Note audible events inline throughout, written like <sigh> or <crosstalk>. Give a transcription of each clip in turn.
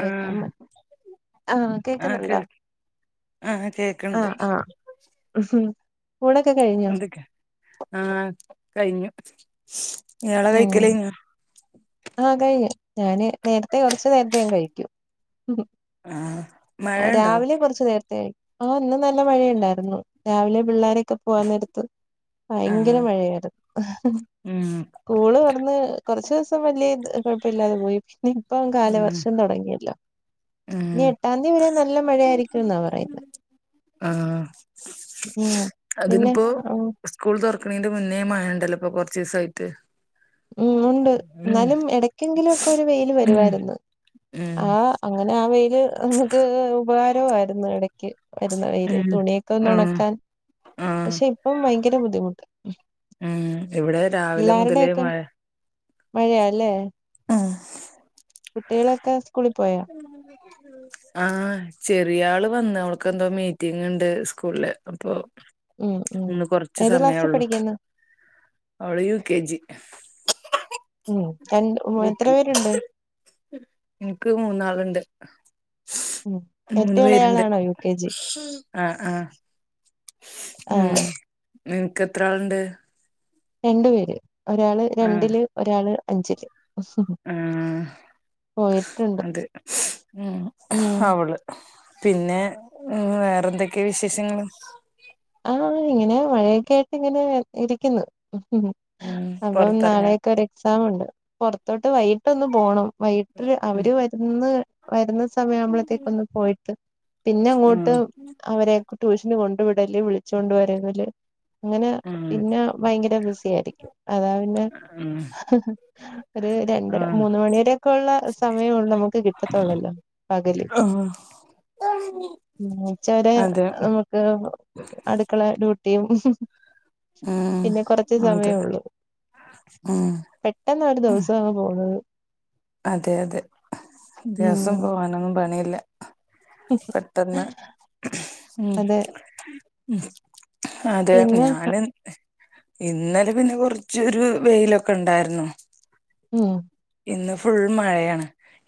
കേക്കാൻ ആഹ് ആഹ് ആ ക്ക്‌ കേക്കുന്നുണ്ടോ ആഹ് കേക്ക്‌ണ്ട് ആഹ് ആഹ് ഊണൊക്കെ കഴിഞ്ഞോ ആഹ് കയിഞ്ഞു ഇയാളെ ഉം കഴിക്കലയ്ഞ്ഞ ആഹ് കഴിഞ്ഞ് ഞാന് നേരത്തെ കൊർച്ച്നേരത്തെ ഞാൻ കഴിക്ക്യും ആഹ് മഴണ്ടോ രാവിലെയും കൊർച്ച് നേരത്തെ കഴിക്കും ആഹ് ഇന്ന് നല്ല മഴയുണ്ടായിരുന്നു രാവിലെ പിള്ളാരെക്ക- പോവാനേരത്ത് ഭയങ്കര ആഹ് മഴയാരുന്നു ഉം സ്കൂള് തൊറന്ന് കൊർച്ച് ദിവസം വല്ല്യ ഇത് കൊഴപ്പഇല്ലാതെ പോയി, പിന്നെ ഇപ്പം ഉം കാലവർഷം തൊടങ്ങിയല്ലോ ഇനി ഉം എട്ടാന്തി വരെ നല്ല മഴയായിരിക്കും എന്നാ പറയുന്നെ ആഹ് ഉം പിന്നെ അതിന്പ്പോ ആ, സ്കൂൾ തൊറക്കണീന്റെ മുന്നേ മയ യുണ്ടല്ലോ ഇപ്പൊ കൊറച്ച് ദിവസമായിട്ട് ഉം ഉണ്ട് എന്നാലും എടക്കെങ്കിലും ഒക്കെ ഒരു വെയില് ഉം വരുവായിരുന്നു ഉം ആ അങ്ങനെ ആ വെയില് നമുക്ക് ഉപകാരവും ആയിരുന്നു എടക്ക് വരുന്ന വെയില് ഉം തുണിയൊക്കെ ഒന്ന് ആഹ് ഒണക്കാൻ ആഹ് പക്ഷെ ഇപ്പം ഭയങ്കര ബുദ്ധിമുട്ട് ഉം ഇവിടെ രാവിലെ മുതലേ പിള്ളാരുടെയൊക്കെ മഴയാ അല്ലേ ആഹ് കുട്ടികളൊക്കെ സ്കൂളിൽ പോയൊ ഉ <inaudible> ആഹാ ചെറിയ ആള് വന്ന് അവൾക്ക് എന്തോ മീറ്റിംഗ് ഒണ്ട് സ്കൂളില് അപ്പൊ- ഉം ഉം ഇന്ന് കൊറച്ച് ഏത് ക്ലാസ്സിൽ സമയെയുള്ളു പഠിക്കുന്നു അവള് യു കെ ജി ഉം രണ്ട് യു എത്ര പേരുണ്ട് എനിക്ക് മൂന്നാളുണ്ട് ഉം മൂന്ന് ഏറ്റവും പേരുണ്ട് ഇളയാളാണോ യു കെ ജി ആഹ് ആഹ് ആ ഉം നിനക്ക് എത്ര ആളുണ്ട് രണ്ടു പേര് ഒരാള് ആഹ് രണ്ടില് ഒരാള് അഞ്ചില് ആഹ് പോയിട്ടുണ്ട് അതെ ഉം ഉം അവള്- പിന്നെ വേറെന്തൊക്കെയാ വിശേഷങ്ങള് ആഹ്‌ ഇങ്ങനെ മഴയൊക്കെ ആയിട്ട് ഇങ്ങനെ ഇരിക്കുന്ന് ഉം അപ്പം നാളെ പൊറത്തെറങ്ങാ <unintelligible> എക്സാം ഒണ്ട് പൊറത്തോട്ട് വൈകിട്ടൊന്ന് പോണം വൈകിട്ട് ഉം അവര് വരുന്ന് വരുന്ന- സമയാമ്പളത്തേക്കൊന്ന് പോയിട്ട് പിന്നെ അങ്ങോട്ട് ആഹ് അവരേക്കെ ട്യൂഷന് കൊണ്ട് വിട്ട്- ഇടേ <unintelligible> വിളിച്ചു കൊണ്ട് വരുന്നല് അങ്ങനെ ഉം പിന്നെ ഭയങ്കര ബിസി ആയിരിക്കും അതാ പിന്നെ- ഉം ഒരു രണ്ടര ആഹ് മൂന്ന് മണി വരെയൊക്കെള്ള സമയവുള്ളൂ നമുക്ക് കിട്ടത്തുള്ളല്ലോ പകല് ആഹ്‌ ആ ഉച്ചവരെ അതെ ആഹ് അടുക്കള ഡ്യൂട്ടിയും- ഉം പിന്നെ കൊറച്ച് അതെ സമയവൊള്ളൂ ഉം പെട്ടെന്നാ ഒരു ഉം ദിവസവ- പോന്നത് അതെ അതെ ദിവസം ഉം പോവാനൊന്നും പണിയില്ല പെട്ടെന്ന് ഉം അതെ ഉം അതെ പിന്നെ ഞാന്- ഇന്നലെ പിന്നെ കൊറച്ചൊരു വെയിലൊക്കെ ഇണ്ടാര്ന്നു ഉം ഇന്ന് ഫുള്ള് മഴയാണ്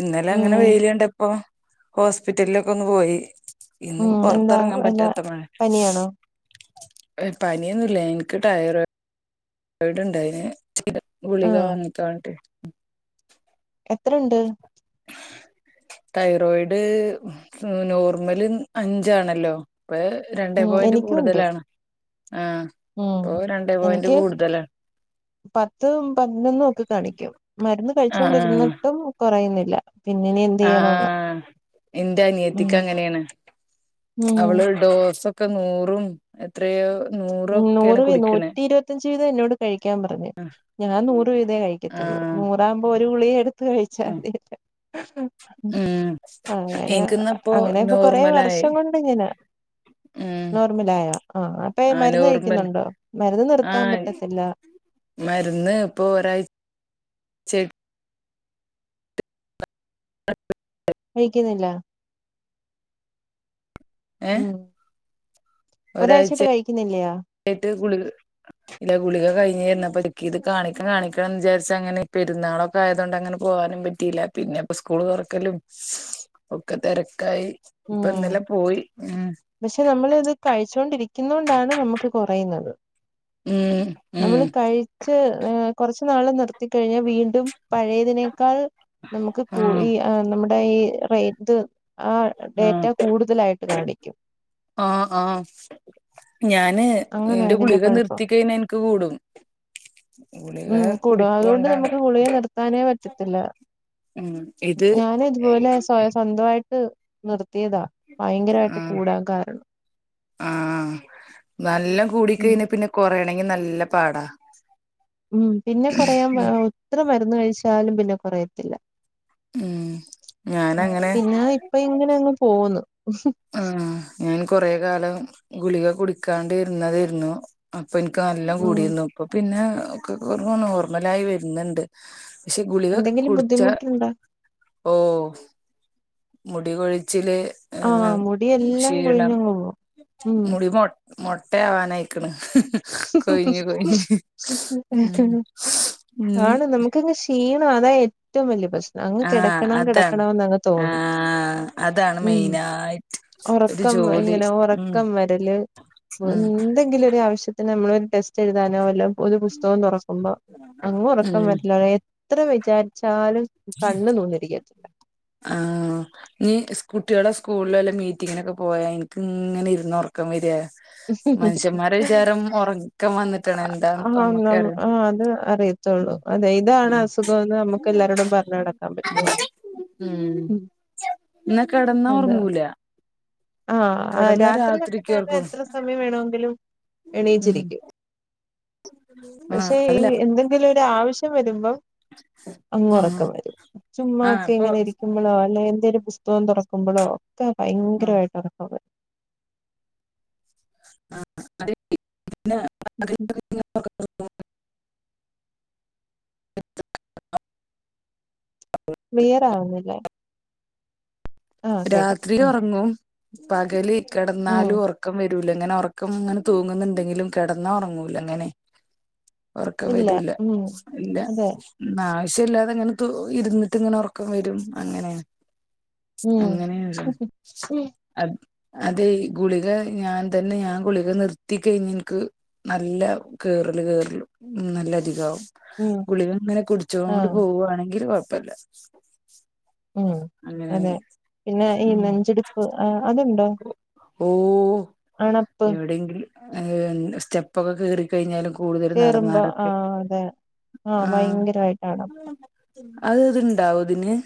ഇന്നലെ അങ്ങനെ ഉം വെയില് കണ്ടപ്പൊ- ഹോസ്പിറ്റലിലൊക്ക ഒന്ന് പോയി ഇന്ന് ഉം എന്താ പൊറത്തെറങ്ങാൻ വല്ല പറ്റാത്ത മഴ പനിയാണോ ഏ പനിയൊന്നുമല്ല എനിക്ക് റ്റയെടാ റ്റയേഡ് ഉണ്ടായിന് ഗുളിക ആഹ് വാങ്ങിക്കാണ്ട് എത്രയുണ്ട് തൈറോയിഡ് നോർമല് അഞ്ചാണല്ലോ ഇപ്പ- രണ്ടേ ഉം പോയിന്റ് എനിക്കുണ്ട് കൂടുതലാണ് ആഹ്‌ ഉം ഇപ്പൊ രണ്ടേപോയിന്റ് എനിക്ക് കൂടുതലാ പത്തും പതിനൊന്നും ഒക്കെ കാണിക്കും മരുന്ന് ആഹ് കഴിച്ചൊണ്ടിരുന്നിട്ടും കൊറയുന്നില്ല ഇതിങ്ങനെ- ആഹ്‌ ഉം ഇന്റനിയത്തിക്കങ്ങനേണ് ഉം അവള് ഡോസൊക്കെ നൂറും എത്രയോ നൂറൊക്കെണ് കുടിക്കണെ ത്തഞ്ച് വീതവെന്നോട് കഴിക്കാമ്പറഞ്ഞ് ഞാൻ നൂറ് വീതേ കഴിക്കത്തുള്ളൂ ആഹ് നൂറാകുമ്പോ ഒരു ഗുളികയെട് ത്ത് ആഹ് കഴിച്ചാതിയല്ലോ ഉം അങ്ങന എനിക്കിന്നപ്പോ അങ്ങനെ ഇപ്പൊ കൊറെ നോർമലായി വർഷം കൊണ്ട് ഇങ്ങനാ ഉം നോർമലായോ ആഹ് അപ്പെ ആഹ് മര്ന്ന് നോർമൽ കഴിക്കുന്നുണ്ടോ മരുന്ന് നിർത്താൻ ആഹ് പറ്റത്തില്ല മരുന്ന് ഇപ്പൊ ഒരായ് ചെ അ <unintelligible> കഴിക്കുന്നില്ല ഏഹ് ഉം ഒരാഴ്ച്ചായിട്ട് കഴിക്കുന്നില്ലിയോ എട്ടു ഗുളിക- ല്ല ഗുളിക കഴിഞ്ഞേരുന്നു. അപ്പയെനിക്കിത് കാണിക്ക കാണിക്കണന്ന്വിചാരിച്ചങ്ങനെ പെരുന്നാളൊ- ക്കെആയതോണ്ട് അങ്ങനെ പോകാനും പറ്റീല്ല പിന്നെ പ്പോ സ്കൂള് തൊറക്കലും ഒക്കെ തെരക്കായി ഇപ്പ ഉം ഇന്നലെ പോയി ഉം പക്ഷെ നമ്മളിത് കഴിച്ചോണ്ടിരിക്കുന്നോണ്ടാണ് നമ്മക്ക് കൊറയുന്നത് ഉം ഉം നമ്മള് കഴിച്ച് കൊറച്ച് നാള് നിർത്തിക്കഴിഞ്ഞാ വീണ്ടും പഴയതിനേക്കാൾ നമ്മക്ക് കൂ ആഹ് ഈ ആ നമ്മടെ ഈ റേറ്റ് ആ ഡേറ്റ ആഹ് കൂടുതലായിട്ട് കാണിക്കും ആഹ് ആഹ് ‌ ഞാന് അങ്ങനാ എന്റെ ഇതിന്റെ ഗുളികെ കൊഴപ്പം നിർത്തിക്കയിഞ്ഞാ എനിക്ക് കൂടും ഗുളിക ഉം കൂടും അതോണ്ട് കുടിക്കൊണ്ടാണ് നമ്മക്ക് ഗുളിക നിർത്താനേ പറ്റത്തില്ല ഉം ഇത് ഞാനിതുപോലെ സ്വ സ്വന്തവായിട്ട് നിർത്തിയതാ ഭയങ്കരമായിട്ട് കൂടാൻ കാരണം ആഹ് ആഹ് നല്ല കൂടി ഉം കഴിഞ്ഞാ പിന്നെ കൊറയണെങ്കിൽ നല്ല പാടാ ഉം പിന്നെ കുറയാൻ ഉം എത്ര മരുന്ന് കഴിച്ചാലും പിന്നെ കുറയത്തില്ല ഉം ഞാനങ്ങനെ പിന്നെ ഇപ്പം ഇങ്ങനങ്ങ് പോകുന്നു ആ ഞാൻ കൊറെ കാലം ഗുളിക കുടിക്കാണ്ടിരുന്നതെരുന്നു അപ്പൊ എനിക്ക് നല്ലോ ഉം കൂടിരുന്നു ഇപ്പൊ പിന്നെ ഒക്കെ നോർമലായി വരുന്നുണ്ട് പക്ഷെ ഗുളിക എന്തെങ്കിലും കുടിച്ച ബുദ്ധിമുട്ടുണ്ടോ ഓഹ് മുടി കൊഴിച്ചില് ഏ ആഹ് മുടിയെല്ലാം ക്ഷീണം കൊഴിഞ്ഞങ്ങ് പോവും ഉം മുടിമോട്ട- മോട്ടയാവാനയിക്കണ് ഉം ഇനി ആണ് നമുക്കങ്ങ് ഷീ ഷീണവാ അതാ - ഏറ്റവും വലിയ പ്രശ്നം അങ്ങ് ആഹ് കെടക്കണം അതാണ് കെടക്കണന്ന് അങ്ങ് തോന്നും ആഹ് അതാണ് ഉം മെയിനായിട്ട് ഒരു ഒറക്കം ജോലി ഇങ്ങനെ ഉം ഒറക്കം വരല് ഉം എന്തെങ്കിലും ഒരു ആവശ്യ ത്തിന് നമ്മളൊരു ടെസ്റ്റ് എഴുതാനോ വല്ലോം ഒരു പുസ്തകം തുറക്കുമ്പോ അങ്ങ് ഉറക്കം ഉം വേരലേ- എത്ര വിചാരിച്ചാലും കണ്ണ് നൂന്നിരിക്കത്തില്ല ആഹ് നിക്ക് കുട്ടികളെ സ്കൂളില് വല്ല മീറ്റിങ്ങിനൊക്കെ പോയാ എനിക്ക് ഇങ്ങനെ ഇരുന്ന് ഉറക്കം വരിയാ- മനുഷ്യന്മാര വിചാരം ഉറക്കം വന്നിട്ടാണ് എന്താന്ന്പ്പ നമ്മുക്കെ അറിയ ത്തൊള്ളൂ അതെ ഇതാണ് അസുഖം എന്ന് നമുക്ക് എല്ലാരോടും പറഞ്ഞ് നടക്കാൻ പറ്റുവോ ഉം എന്നാ കിടന്നാ അതെ ഉറങ്ങൂല ആഹ് കിടന്നാ രാത്രിലെക്കെ രാത്രിക്ക് ഞാനും ഉറക്കോള്ളൂ എത്ര സമയം വേണമെങ്കിലും ഉം എണീച്ചിരിക്കും ആഹ് പക്ഷെ ഈ അതല്ല എന്തെ ങ്കിലൊരു ആവശ്യം വരുമ്പം അങ്ങ് ആഹ് ഒറക്കം വരും ചുമ്മാ ആഹ് അപ്പൊ ഒക്കെങ്ങനെ ഇരി കുമ്പളോ അല്ലെ എന്തെലും പുസ്തകം തുറക്കുമ്പഴോ ഒക്കെ ആഹ് ഭയങ്കരമായിട്ട് ഉറക്കം വരും. വരും <inaudible> <inaudible> മിയറാവുന്നില്ലെ. രാത്രില് ഉം ഉറങ്ങും പകല് ഉം കിടന്നാലും ഉറക്കം വരു റ്റൂല്ല അങ്ങനെ ഉറക്കംങ്ങനെ തൂങ്ങ്ന്നുണ്ടെങ്കിലും കിടന്നാ ഉറങ്ങൂലങ്ങനെ. ഉറക്കം ഇല്ല വരൂല്ല ഉം ഇല്ല. അതെ ആവശ്യല്ലാതെങ്ങനെ തു ഇരുന്നിട്ട്ങ്ങനെ ഉറക്കം വരും അങ്ങനെയാ. ഉം അങ്ങനെയൊരുതാണ്. അ അതെയ് ഗുളിക ഞാൻ തന്നെ ഞാൻ ഗുളിക നിർത്തി കഴിഞ്ഞ ഇൻക്ക്. നല്ല കേറല് കേറ്ലു ഉം നല്ല അധികാവും. ഉം ഗുളികങ്ങനെ കുടിച്ചോണ്ട് ആഹ് പോവുവാണെങ്കിൽ കുഴപ്പല്ല. ഉം അതെ പിന്നെ ഈ നെഞ്ചടിപ്പ് അ അതുണ്ടോ. ഓഹ് അണപ്പ് എവിടെങ്കിലും ഏഹ് സ്റ്റെ പ്പൊക്കെ കെറിക്കഴിഞ്ഞാലു കൂടുതല് കേറുമ്പോ നടന്നാലൊക്കെ ആഹ് അതെ ആഹ്. ഭയങ്കരമായിട്ട് അണപ്പ് അത് ഇത്ണ്ടാവൊ ഇതിന്.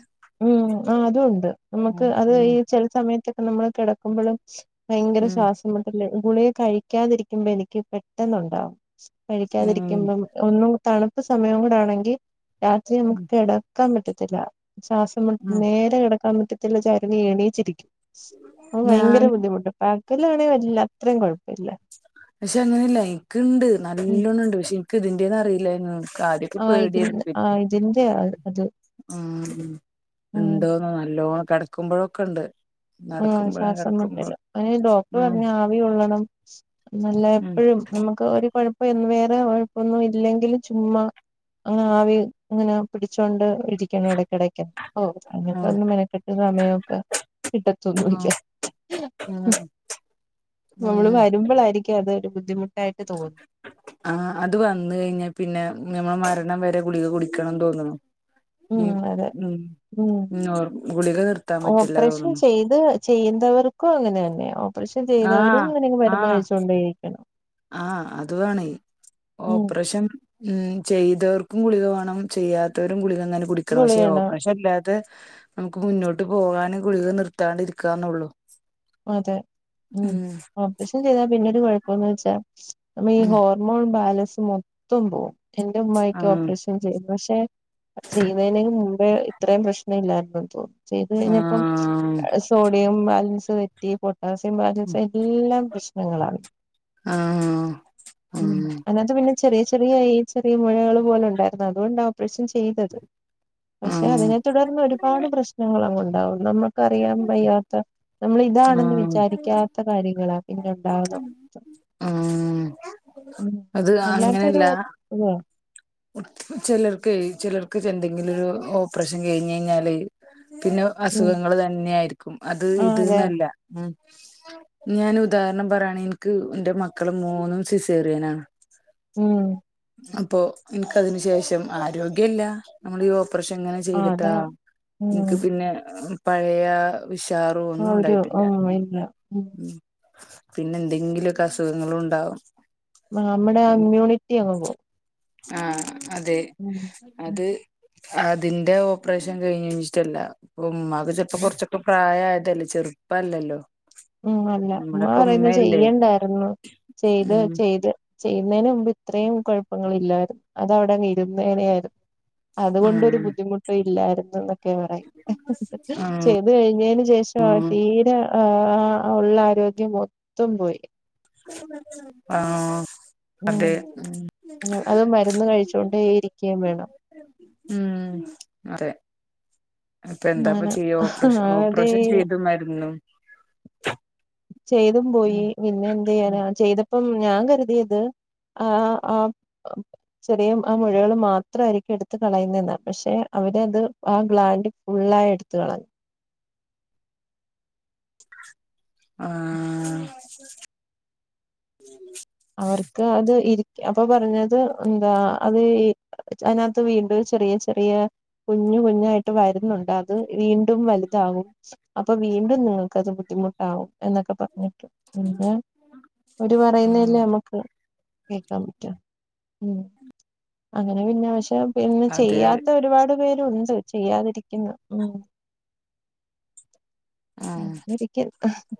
ഉം ആ അതു ഉണ്ട് നമുക്ക് ഉം അത് ഉം ഈ ചില സമയത്തക്കെ നമ്മള് കിടക്കുമ്പളും. ഭയങ്കര ഉം ശ്വാസം മുട്ടല് ഗുളിക കഴിക്കാതിരിക്കുമ്പ എനിക്ക് പെട്ടെന്നുണ്ടാവും. കഴിക്കാതിരിക്കുമ്പം ഒന്നും തണുപ്പ് സമയം കൂടെ ആണെങ്കി രാത്രി ഉം നമുക്ക് കിട ക്കാം പറ്റത്തില്ല ശ്വാസം മു ഉം നേരെ കിടക്കാൻ പറ്റത്തില്ല ചെരിഞ്ഞ് എണീച്ചിരിക്കും. അപ്പൊ ഭയങ്കര ഞാൻ ബുദ്ധിമുട്ട് പകലാണെ വരില്ല അത്രയും കുഴപ്പമില്ല പക്ഷെ അങ്ങനെയല്ല എനിക്ക്ണ്ട് ഉം നല്ലോണ്ണണ്ട് പക്ഷെ ഇനിക്ക് ഇതിന്റെന്നന്ന് അറിയില്ലെനു. ആദ്യൊക്കെ ആഹ് ഇതി പേടിയേന്നു പിന്നെ ആഹ് ഇതിന്റെ അത് ഉം ഉം ഉണ്ടോന്നൊ നല്ലോണം കിടക്കുമ്പൊഴൊക്കണ്ട്. ആ ശ്വാസം മുട്ടല് അയിന് ഡോക്ടർ ഉം പറഞ്ഞ് ആവി കൊള്ളണം. നല്ല ഉം എപ്പഴും നമുക്ക് ഒരു കുഴപ്പം വേറെ കുഴപ്പൊന്നും ഇല്ലെകില് ചുമ്മാ. ആവി അങ്ങനെ പിടിച്ചോണ്ട് ഇരിക്കണം ഇടക്കിടക്ക് ഓഹ്. ഉം അങ്ങനത്തൊന്നും മെനക്കെട്ട് സമയൊക്ക. കിട്ടത്തൊന്നുല്ല ഉം ഉം നമ്മള് ഉം വരുമ്പഴളായിരി ക്ക്യ അതൊരു ബുദ്ധിമുട്ടായിട്ട് തോന്നും. ആഹ് അത് വന്ന് കഴിഞ്ഞാ പിന്നെ ഞമ്മൾ മരണം വരെ ഗുളിക കുടിക്കണംന്ന് തോന്ന്ന്നു. ഉം ഉം ഉം ഉറക്ക ഗുളിക നിർത്താൻ പറ്റില്ലാന്ന് തോന്നുന്നു. ഇത്. ചെയ്യുന്നവർക്കും അങ്ങനെ തന്നെയ ഓപ്പറേഷൻ ചെയ്തവരും ആഹ് അങ്ങനെ മരുന്ന് ആഹ് കഴിച്ചോണ്ടേയിരിക്കണം. ആഹ് അത് വേണയ് ഉം ഓപ്പറേഷൻ. ഉം ചെയ്തവർക്കും ഗുളിക വേണം ചെയ്യാത്തവരും ഗുളികന്നാലും. കുടിക്കണം പക്ഷെ ഗുളികയാണ് ഓപ്പറേഷൻ ഇല്ലാതെ നമുക്ക് മുന്നോട്ട് പോകാന് ഗുളിക നിർത്താണ്ടിരിക്കാന്നൊള്ളു. അതെ ഉം ഓപ്പറേഷൻ ചെയ്താ പിന്നൊരു കുഴപ്പന്ന് വെച്ചാ നമ്മളെ ഈ ഉം ഹോ ർമോൺ ബാലൻസ് മൊത്തം പോകും എന്റെ ഉമ്മായ്ക്ക് ആഹ് ഓപ്പറേഷ ൻ ചെയ്യുന്നു പക്ഷെ ചെയ്യുന്നതിന് മുമ്പേ ഇത്രയും പ്രശ്നല്ലായിരുന്നന്ന് തോന്നുന്നു. ചെയ്ത് കഴിഞ്ഞപ്പം ആഹ് അ സോഡിയം ബാലൻസ് തെറ്റി പൊ ട്ടാസ്യം ബാലൻസ് എല്ലാം പ്രശ്നങ്ങളാണ്. ആഹ് ഉം ആഹ് അങ്ങനത്തെ പിന്നെ. ചെറിയ ചെറിയ ഈ ചെറിയ മുഴകൾ പോലെ ഉണ്ടായിരുന്നു അതുകൊണ്ടാ ഓപ്പറേഷൻ ചെയ്തത്. പക്ഷെ ആഹ് അതിനെ തുടർന്ന് ഒരുപാട് പ്രശ്നങ്ങൾ അങ്ങ് ഉണ്ടാവും നമ്മക്ക് അറിയാൻ വയ്യാത്ത നമ്മൾ താണെന്ന് ആഹ് വിചാരിക്കാത്ത കാര്യങ്ങളാ. പിന്നെ ഉണ്ടാവുന്നത് ആഹ് ഉം അത് വല്ലാത്തൊരു ഉവ്വോ ചിലർക്കയ് ചിലർക്ക് എന്തെങ്കിലും ഒരു ഓപ്പറേഷൻ കഴിഞ്ഞ് കഴിഞ്ഞാല് പിന്നെ ഉം അസുഖങ്ങള് തന്നെയായിരിക്കും അത് ആ ഇത് അതെ ന്നല്ല ഉം ഞാന് ഉദാഹരണം പറയാണ് ഇൻക്ക് ന്റെ മക്കള് മൂന്നും സിസേറിയനാണ്. ഉം അപ്പൊ ഇൻക്കതിന് ശേഷം ആരോഗ്യല്ല നമ്മള് ഈ ഓ പ്പറേഷങ്ങനെ ആ ചെയ്തിട്ടാ അതാ ഉം എനിക്ക് പിന്നെ പഴയ. ഉഷാറും ആ ഒന്നും ഒരു ഉണ്ടായിട്ടില്ല ഉം ഇല്ല ഉം പിന്നെ എന്തെങ്കിലൊക്കെ അസുഖങ്ങളും ഉണ്ടാവും. നമ്മുടെ ആ ഉം ഇമ്മ്യൂണിറ്റി അങ്ങ് പോവും. ആഹ് അതെ. ഉം അത് അതിന്റെ ഓപ്പറേഷൻ കഴിഞ്ഞ്ച്ച്ട്ടല്ല. അപ്പം ഉമ്മാക് ചെൽപ്പം കുറച്ചൊക്കെ പ്രായായതല്ലേ ചെറുപ്പല്ലല്ലോ? ഉം അല്ല ഉമ്മ നമ്മുടെക്കെ പറയുന്നത് ഉമ്മയല്ലേ ചെയ്യണ്ടായിരുന്നു ചെയ്ത ഉം ചെയ്ത് ചെയ്യുന്നതിന് മുമ്പ് ഇത്രേം കുഴപ്പങ്ങളില്ലായിരുന്നു. അത് അവിടങ് ഇരുന്നേനായിരുന്നു. അതുകൊണ്ടൊരു ഉം ബുദ്ധിമുട്ടും ഇല്ലായിരുന്നു എന്നൊക്കെ പറയും ചെ ഉം യ്ത് കഴിഞ്ഞതിന് ശേഷാണ് ഉം തീരെ ആ ഉള്ള ആരോഗ്യം മൊത്തം പോയി. ആഹ് അതെ ഉം അത് മരുന്ന് കഴിച്ചോണ്ടേ ഇരിക്കയും വേണം. ഉം അറിയാം അപ്പൊ എന്താപ്പ അങ്ങനെ ചെയ്യ? ഓപ്പറേഷൻ അതേ ഓപ്പറേഷൻ ചെയ്തു മരുന്നും. ചെയ്തും ഉം പോയി പിന്നെ എന്ത് ഉം ചെയ്യാനാ? ചെയ്തപ്പം ഞാൻ കരുതിയത്. ആഹ് ആഹ് <unintelligible> ചെറിയ ആ മുഴകള് മാത്രായിരിക്കും എടുത്ത്‌ കളയുന്നെന്നാ. പക്ഷെ അവര് അത് ആ ഗ്ലാഡി. ഫുള്ളായി എടുത്ത്‌ കളഞ്ഞു. ആഹ് അവർക്ക് അത് ഇരിക്ക അപ്പൊ പറഞ്ഞത് എന്താ അത് ഈ അതിനകത്ത് വീണ്ടും ചെറിയ ചെറിയ കുഞ്ഞു കുഞ്ഞായിട്ട് വരുന്നുണ്ട് അത് വീണ്ടും വലുതാകും. അപ്പൊ വീണ്ടും നിങ്ങൾക്കത് ബുദ്ധിമുട്ടാവും. എന്നൊക്കെ പറഞ്ഞിട്ടു പിന്നെ അവര് പറയുന്നെ ആഹ് നമുക്ക് കേക്കാൻ പറ്റൂ ഉം അങ്ങനെ പിന്നെ പക്ഷെ പിന്നെ അതെ ചെയ്യാത്ത ഒരുപാട് പേരുണ്ട് ചെയ്യാതിരിക്കുന്ന ഉം ഉം <unintelligible>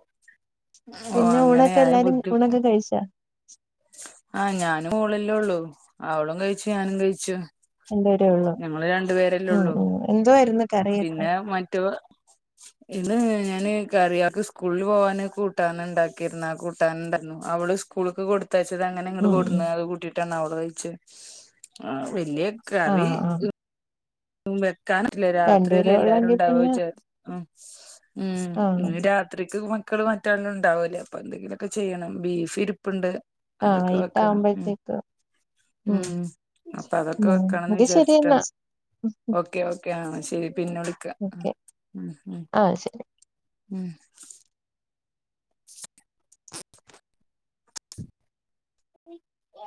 ഓഹ് പിന്നെ ഊണൊക്കെ അങ്ങനെയായ എല്ലാരും ബുദ്ധി ഊണൊക്കെ കഴിച്ചാ ആഹ് ഞാനും മോളല്ലേ ഉള്ളു അവളും കഴിച്ചു ഞാനും കഴിച്ചു രണ്ടുപേരെ ഉള്ളു ഞങ്ങള് രണ്ടുപേരല്ലേ ഉം ഉള്ളൂ ഉം എന്തുവായിരുന്നു കറിയൊക്കെ പിന്നെ മറ്റോ ഇന്ന് ഞാന് കറിയാക്ക് സ്കൂളിൽ പോകാന് കൂട്ടാൻ ഉണ്ടാക്കാരുന്നു ആ കൂട്ടാൻ ഉണ്ടായിരുന്നു അവള് സ് കൂൾക്ക്‌ കൊടുത്തയച്ചത് അങ്ങനെ ഇങ്ങട് ഉം ഉം കൊട്ന്നു അത് കൂട്ടിട്ടാണ് അവളു കഴിച്ചേ ആ വല്യേ കറി ആഹ് ആഹ് വെക്കാനല്ലേ രണ്ടുപേരേ രാത്രിയല്ലേ എല്ലാവരും ഉള്ളെങ്കി ഉണ്ടാവാ പിന്നെ വിചാരിച്ചു ഉം ഉം ആഹ് ഇന്ന് രാത്രിക്ക് മക്കള് മറ്റെല്ലം ഇണ്ടാവൂ ലേ അപ്പൊ എന്തെങ്കിലോക്കെ ചെയ്യണം ബീഫ് ഇരു പ്പുണ്ട് ആഹ് അതൊക്ക വെക്കണം ഉം വൈകിട്ടാവുമ്പഴത്തേക്ക് ഉം അപ്പ അതൊക്ക ഉം വെക്കണം ന്ന് എങ്കി ശരി എന്നാ വിചാര്ച്ചിട്ടാണ് ഓക്കേ ഓക്കെ ആ ശരി പിന്നെ വിളി ഓക്കെ ആ ശരി ഉം ഓ